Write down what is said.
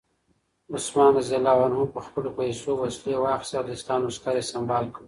عثمان رض په خپلو پیسو وسلې واخیستې او د اسلام لښکر یې سمبال کړ.